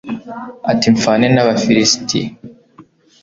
ati mpfane n'abafilisiti